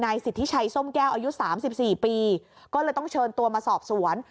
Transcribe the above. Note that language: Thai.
สิทธิชัยส้มแก้วอายุ๓๔ปีก็เลยต้องเชิญตัวมาสอบสวน